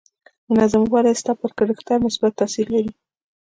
منظم والی ستا پر کرکټر مثبت تاثير لري.